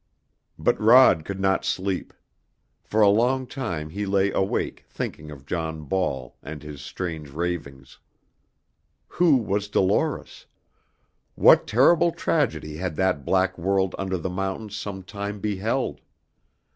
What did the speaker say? But Rod could not sleep. For a long time he lay awake thinking of John Ball and his strange ravings. Who was Dolores? What terrible tragedy had that black world under the mountains some time beheld?